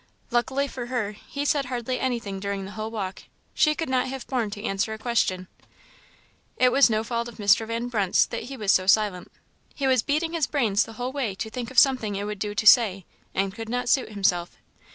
Luckily for her, he said hardly anything during the whole walk; she could not have borne to answer a question. It was no fault of Mr. Van Brunt's that he was so silent he was beating his brains the whole way to think of something it would do to say, and could not suit himself.